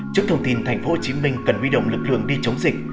trước thông tin tp hcm cần huy động lực lượng đi chống dịch